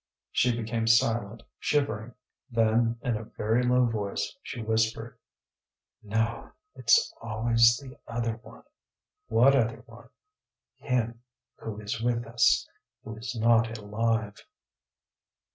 She became silent, shivering. Then in a very low voice she whispered: "No, it's always the other one." "What other one?" "Him who is with us; who is not alive."